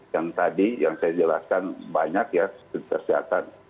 yang tadi yang saya jelaskan banyak ya kesehatan